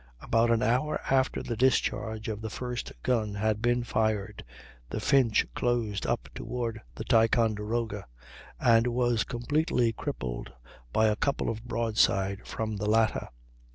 About an hour after the discharge of the first gun had been fired the Finch closed up toward the Ticonderoga, and was completely crippled by a couple of broadsides from the latter.